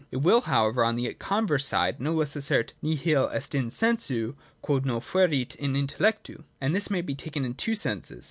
It will, however, on the converse side no less assert :' Nihil est in sensu quod non fuerit in intellectu.' And this may be taken in two senses.